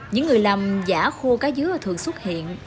những người làm giả khô cá dứa thường xuất hiện